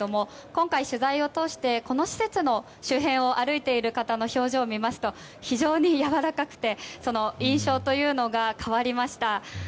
今回、取材を通してこの施設の周辺を歩いている方の表情を見ますと非常にやわらかくて印象というのが変わりました。